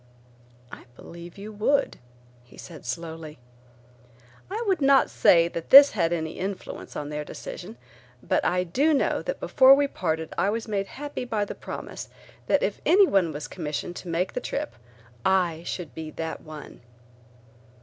"I believe you would," he said slowly. I would not say that this had any influence on their decision, but I do know that before we parted I was made happy by the promise that if any one was commissioned to make the trip, I should be that one.